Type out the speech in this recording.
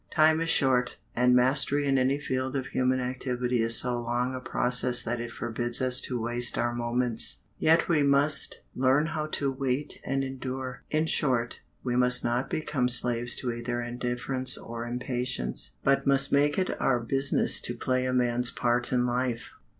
Time is short, and mastery in any field of human activity is so long a process that it forbids us to waste our moments. Yet we must learn also how to wait and endure. In short, we must not become slaves to either indifference or impatience, but must make it our business to play a man's part in life.